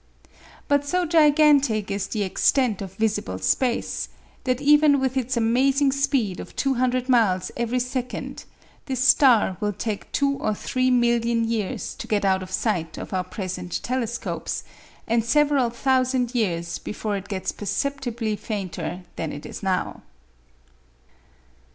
But so gigantic is the extent of visible space, that even with its amazing speed of 200 miles every second, this star will take two or three million years to get out of sight of our present telescopes, and several thousand years before it gets perceptibly fainter than it is now.